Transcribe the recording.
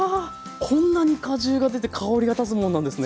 こんなに果汁が出て香りが立つもんなんですね。